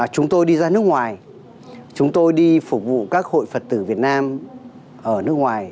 chúng tôi đi ra nước ngoài chúng tôi đi phục vụ các hội phật tử việt nam ở nước ngoài